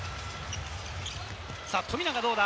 富永はどうだ？